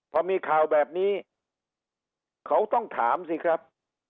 พอมีข่าวแบบนี้เขาต้องถามสิครับ